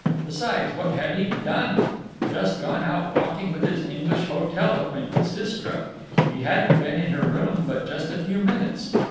Besides, what had he done? Just gone out walking with his English hotel acquaintance Istra! He hadn't been in her room but just a few minutes.